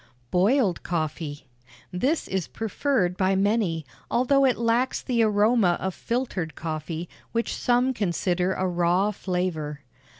BOILED COFFEE. This is preferred by many, although it lacks the aroma of filtered coffee, which some consider a raw flavor.